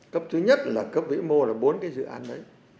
cấp thứ nhất là cấp vĩ mô là bốn cái dự án đấy